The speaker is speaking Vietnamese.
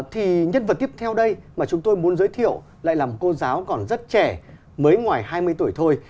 thì nhân vật tiếp theo đây mà chúng tôi muốn giới thiệu lại làm cô giáo còn rất trẻ mới ngoài hai mươi tuổi thôi